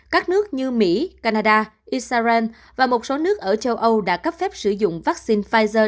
các nước như mỹ canada israel và một số nước ở châu âu đã cấp phép sử dụng vaccine pfizer